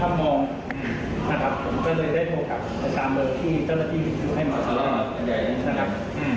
ถ้ามองนะครับผมก็เลยได้โทรกับตามเบอร์ที่เจ้าหน้าที่วิทยุให้มาอ่าอ่าอ่าอ่า